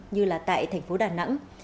như là tại thành phố đà nẵng